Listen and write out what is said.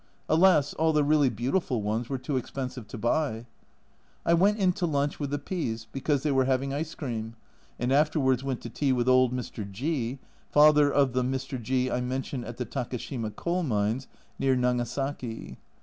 Alas, all the really beautiful ones were too expensive to buy. I went in to lunch with the P s, because they were having ice cream, and afterwards went to tea with old Mr. G (father of the Mr. G I mentioned at the Takashima coal mines, near Nagasaki).